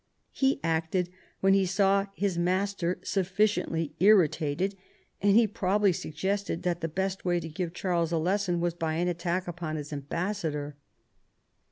He acted when he saw his master sufficiently irritated, and he probably sug gested that the best way to give Charles a lesson was by an attack upon his ambassador.